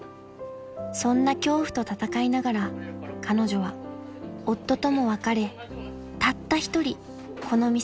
［そんな恐怖と闘いながら彼女は夫とも別れたった一人この店を切り盛りしています］